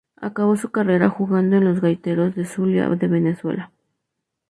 Acabó su carrera jugando con los Gaiteros del Zulia de Venezuela.